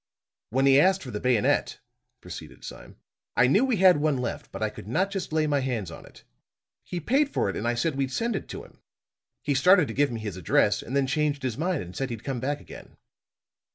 "When he asked for the bayonet," proceeded Sime, "I knew we had one left, but I could not just lay my hands on it. He paid for it and I said we'd send it to him. He started to give me his address, and then changed his mind and said he'd come back again."